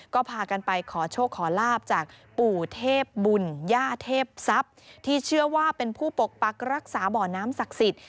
ก็พากันไปขอโชคขอลาบจากปู่เทพบุญญาเทพทรัพย์